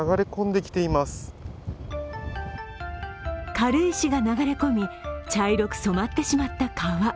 軽石が流れ込み、茶色く染まってしまった川。